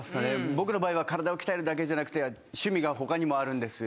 僕の場合は体を鍛えるだけじゃなくて趣味が他にもあるんです。